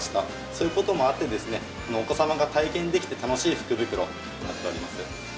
そういうこともあって、お子様が体験できて楽しい福袋になっております。